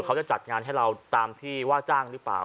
เขาจะจัดงานให้เราตามที่ว่าจ้างหรือเปล่า